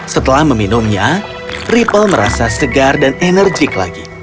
setelah meminumnya ripple merasa segar dan enerjik lagi